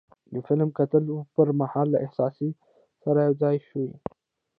د فلم کتلو پر مهال له احساس سره یو ځای شو.